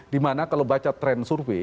dimana kalau baca tren survei